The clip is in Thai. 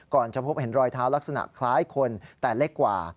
จะพบเห็นรอยเท้าลักษณะคล้ายคนแต่เล็กกว่า